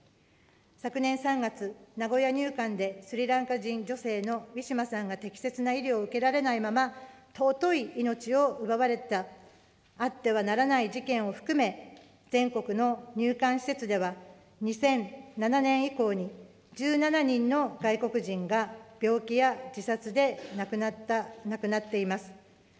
昨年３月、名古屋入管で、スリランカ人女性のウィシュマさんが適切な医療を受けられないまま、尊い命を奪われたあってはならない事件を含め、全国の入管施設では、２００７年以降に１７人の外国人が、病気や自殺で亡くなっています。